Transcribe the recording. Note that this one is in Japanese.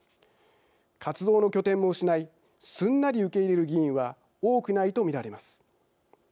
活動の拠点も失いすんなり受け入れる議員は多くないと見られます。